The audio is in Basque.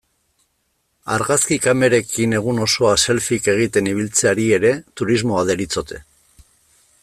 Argazki kamerekin egun osoa selfieak egiten ibiltzeari ere turismo deritzote.